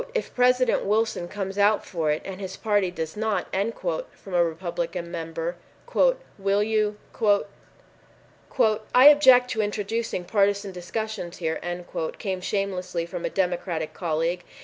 "If President Wilson comes out for it and his party does not" from a Republican member, "will you——" "I object to introducing partisan discussions here," came shamelessly from a Democratic colleague.